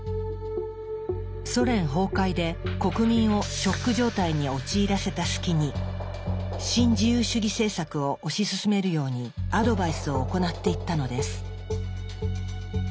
ソ連崩壊で国民をショック状態に陥らせた隙に新自由主義政策を推し進めるようにアドバイスを行っていったのです。